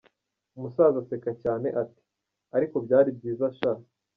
Umusaza aseka cyane ati “Ariko byari byiza sha.